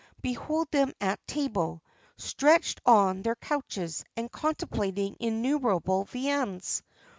Behold them at table, stretched on their couches, and contemplating innumerable viands.